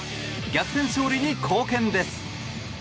逆転勝利に貢献です。